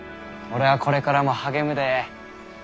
俺はこれからも励むで。